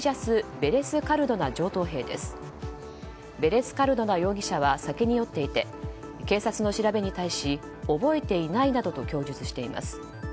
ベレスカルドナ容疑者は酒に酔っていて警察の調べに対し覚えていないなどと供述しています。